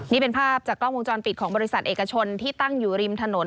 นี่เป็นภาพจากกล้องวงจรปิดของบริษัทเอกชนที่ตั้งอยู่ริมถนน